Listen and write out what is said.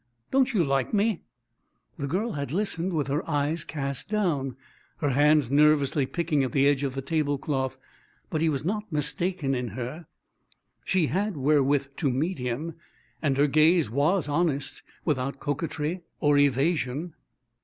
Don't you like me?" The girl had listened with her eyes cast down, her hands nervously picking at the edge of the tablecloth. But he was not mistaken in her. She had wherewith to meet him, and her gaze was honest, without coquetry or evasion.